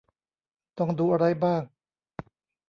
ต้องดูอะไรบ้าง